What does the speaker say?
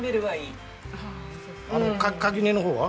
垣根の方は？